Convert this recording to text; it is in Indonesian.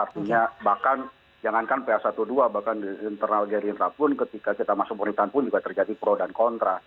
artinya bahkan jangankan pa satu dua bahkan di internal gerindra pun ketika kita masuk pemerintahan pun juga terjadi pro dan kontra